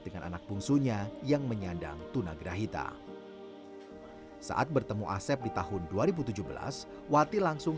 dengan anak bungsunya yang menyandang tunagrahita saat bertemu asep di tahun dua ribu tujuh belas wati langsung